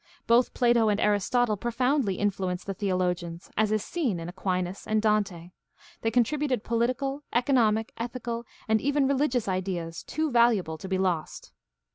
Both Plato and Aristotle profoundly influenced the theologians, as is seen in Aquinas and Dante. They contributed political, economic, ethical, and even religious ideas too valuable to be lost.